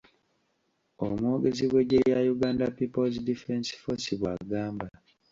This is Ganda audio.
Omwogezi w'Eggye lya Uganda People's Defence Force bw'agamba.